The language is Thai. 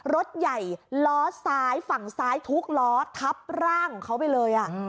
รถใหญ่ล้อซ้ายฝั่งซ้ายทุกล้อทับร่างของเขาไปเลย